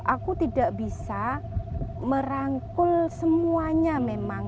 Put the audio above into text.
aku tidak bisa merangkul semuanya memang